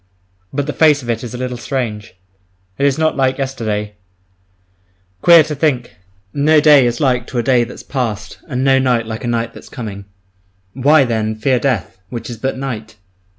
But the face of it is a little strange, it is not like yesterday. Queer to think, no day is like to a day that's past and no night like a night that's coming! Why, then, fear death, which is but night?